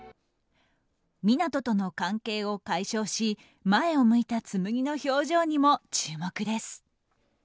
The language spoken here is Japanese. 湊斗との関係を解消し前を向いた紬の表情にも注目です。